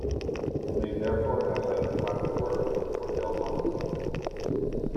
It may therefore have been a private work for Del Monte.